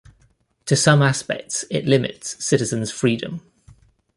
To some aspects, it limits citizen's freedom.